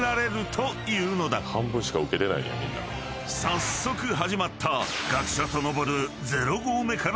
［早速始まった学者と登る］